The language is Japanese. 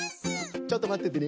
ちょっとまっててね。